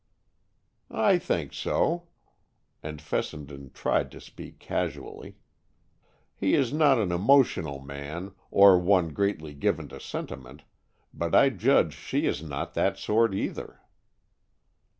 "I think so;" and Fessenden tried to speak casually. "He is not an emotional man, or one greatly given to sentiment, but I judge she is not that sort either."